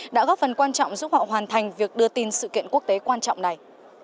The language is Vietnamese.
đã góp phần quan trọng giúp họ hoàn thành việc đưa tin sự kiện quốc tế quan trọng này